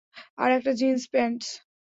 আর একটা jeans pants.